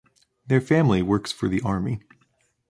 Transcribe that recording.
Their family works for the army.